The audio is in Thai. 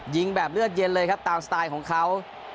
ยิงแบบเลือดเย็นเลยครับตามสไตล์ของเขา